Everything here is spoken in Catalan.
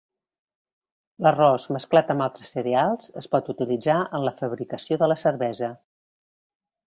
L'arròs mesclat amb altres cereals es pot utilitzar en la fabricació de la cervesa.